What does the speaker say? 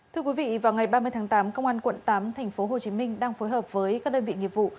thưa quý vị vào ngày ba mươi tháng tám công an quận tám tp hcm đang phối hợp với các đơn vị nghiệp vụ